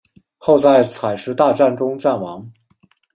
后在采石大战中战亡。